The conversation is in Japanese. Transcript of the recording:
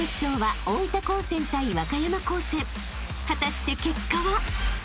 ［果たして結果は？］